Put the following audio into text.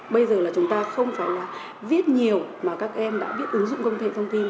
bây giờ là chúng ta không phải là viết nhiều mà các em đã biết ứng dụng công nghệ thông tin